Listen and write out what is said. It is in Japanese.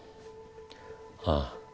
ああ。